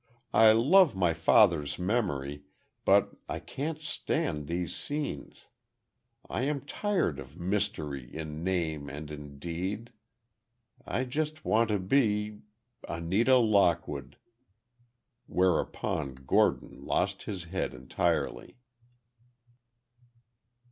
I love my father's memory, but I can't stand these scenes. I am tired of mystery in name and in deed. I just want to be—Anita Lockwood." Whereupon Gordon lost his head entirely.